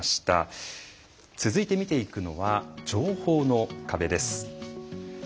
続いて見ていくのは情報の壁です。